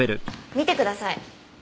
見てください。